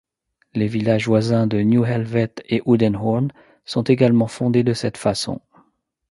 Les villages voisins de Nieuw-Helvoet et Oudenhoorn sont également fondés de cette façon.